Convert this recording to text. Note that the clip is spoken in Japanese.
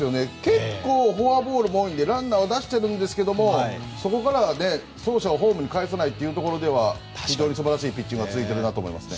結構フォアボールが多いのでランナーを出していますがそこから走者をホームにかえさないというところで非常に素晴らしいピッチングが続いていますね。